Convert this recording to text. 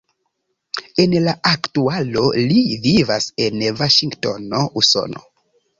En la aktualo li vivas en Vaŝingtono, Usono.